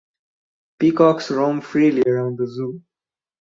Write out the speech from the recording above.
Peacocks roam freely around the zoo.